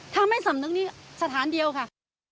ถ้าไม่สำนึกนี้สถานเดียวค่ะ